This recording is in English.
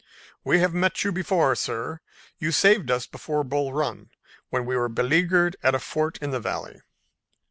We have met you before, sir. You saved us before Bull Run when we were beleaguered at a fort in the Valley."